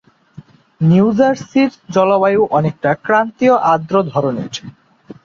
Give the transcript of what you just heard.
New জার্সির জলবায়ু অনেকটা ক্রান্তীয় আর্দ্র ধরনের।